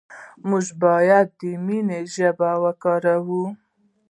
موږ باید د مینې ژبه وکاروو.